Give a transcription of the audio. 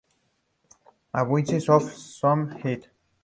A Business of Some Heat.